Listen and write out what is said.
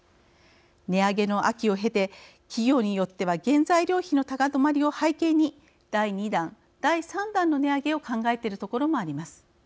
値上げの秋を経て企業によっては原材料費の高止まりを背景に第２弾、第３弾の値上げを考えているところもあります。